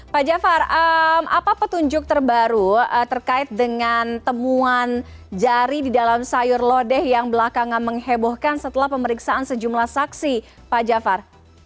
pak jafar apa petunjuk terbaru terkait dengan temuan jari di dalam sayur lodeh yang belakangan menghebohkan setelah pemeriksaan sejumlah saksi pak jafar